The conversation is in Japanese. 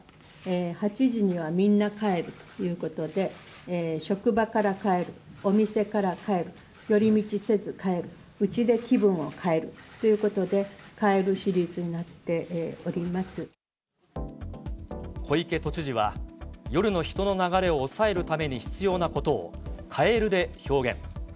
８時にはみんなかえるということで、職場からかえる、お店からかえる、寄り道せずかえる、うちで気分をかえるということで、小池都知事は、夜の人の流れを抑えるために必要なことを、かえるで表現。